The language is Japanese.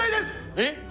えっ？